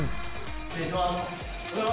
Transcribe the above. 失礼します。